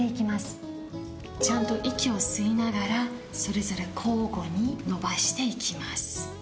ちゃんと息を吸いながらそれぞれ交互に伸ばしていきます。